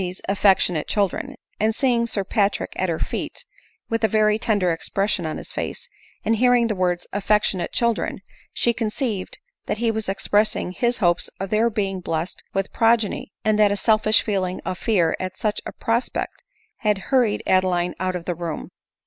" affectionate children ;" and seeing Sir Patrick at her feet, with a very tender expression on his face, and hearing the words " affectionate children," she conceived that he was ex pressing his hopes of their being blest with progeny, apd that a selfish feeling of fear at such a prospect had hur ried Adeline out of the room.